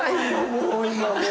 もう今。